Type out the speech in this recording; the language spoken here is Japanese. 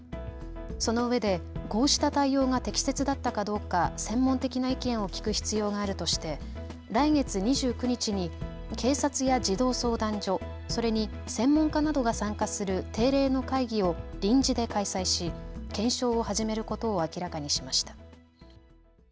そのうえでこうした対応が適切だったかどうか専門的な意見を聞く必要があるとして来月２９日に警察や児童相談所、それに専門家などが参加する定例の会議を臨時で開催し検証を始めることを明らかにしました。